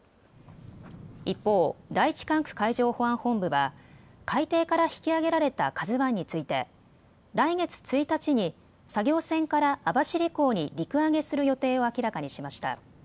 一方、第１管区海上保安本部は海底から引き揚げられたＫＡＺＵＩについて来月１日に作業船から網走港に陸揚げする予定を明らかにしました。